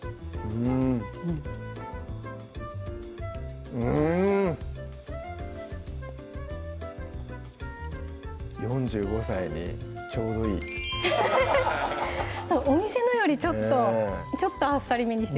うんうん４５歳にちょうどいいお店のよりちょっとちょっとあっさりめにしてます